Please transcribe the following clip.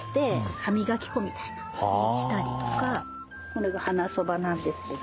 これがハナソバなんですけど。